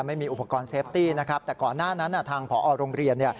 ไม่มีอุปกรณ์เซฟตี้นะครับแต่ก่อนหน้านั้นทางผอโรงเรียนเนี่ย